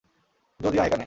জলদি আয় এখানে।